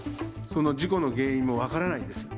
その事故の原因も分からないんです。